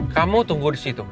kamu tunggu di situ